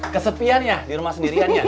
kesepian ya di rumah sendirian ya